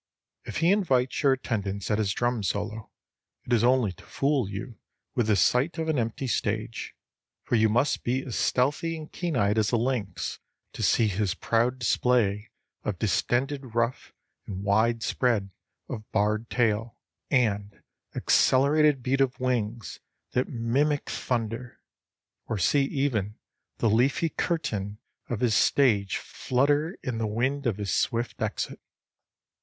If he invites your attendance at his drum solo, it is only to fool you with the sight of an empty stage, for you must be as stealthy and keen eyed as a lynx to see his proud display of distended ruff and wide spread of barred tail and accelerated beat of wings that mimic thunder, or see even the leafy curtain of his stage flutter in the wind of his swift exit.